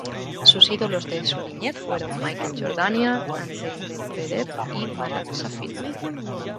Sus ídolos de su niñez fueron Michael Jordania, Andrei Medvedev y Marat Safin.